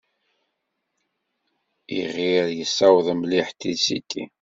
Iɣir yessawaḍ mliḥ trisiti.